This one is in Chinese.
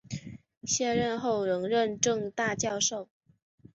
卸任后仍任政大教授。